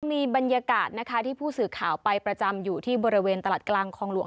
มีบรรยากาศนะคะที่ผู้สื่อข่าวไปประจำอยู่ที่บริเวณตลาดกลางคลองหลวง